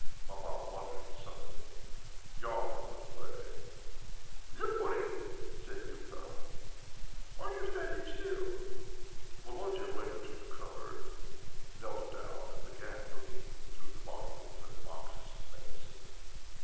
Maman muttered something, yawned, and went away. "Look for it," said Nyuta. "Why are you standing still?" Volodya went to the cupboard, knelt down, and began looking through the bottles and boxes of medicine.